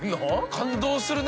感動するね